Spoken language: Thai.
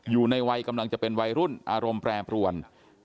อยู่ในวัยกำลังจะเป็นวัยรุ่นอารมณ์แปรปรวน